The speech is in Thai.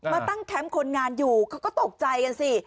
มาตั้งแคมป์คนงานอยู่เขาก็ตกใจกันสิ